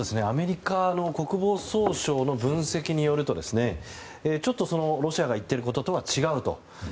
アメリカの国防総省の分析によるとちょっと、ロシアが言っていることとは違うと。